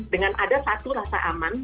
dengan ada satu rasa aman